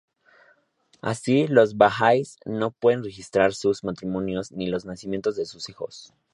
Así, los bahá'ís no pueden registrar sus matrimonios ni los nacimientos de sus hijos.